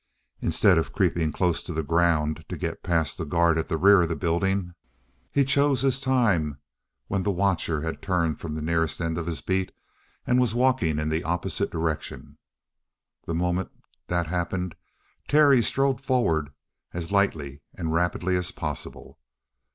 Instead of creeping close to the ground to get past the guard at the rear of the building, he chose his time when the watcher had turned from the nearest end of his beat and was walking in the opposite direction. The moment that happened, Terry strode forward as lightly and rapidly as possible.